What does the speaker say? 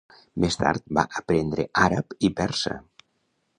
Més tard va aprendre àrab i persa.